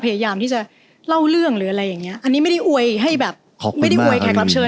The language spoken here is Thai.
พยายามที่จะเล่าเรื่องหรืออะไรอย่างเงี้อันนี้ไม่ได้อวยให้แบบไม่ได้อวยแขกรับเชิญ